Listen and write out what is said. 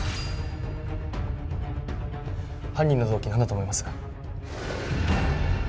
犯人の動機何だと思います？